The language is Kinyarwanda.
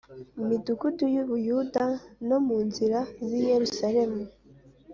midugudu y u Buyuda no mu nzira z i Yerusalemu